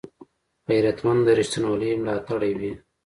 غیرتمند د رښتینولۍ ملاتړی وي